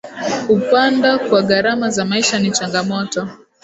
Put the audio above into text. kupanda kwa gharama za maisha ni changamoto